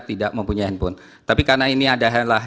tidak mempunyai handphone tapi karena ini adalah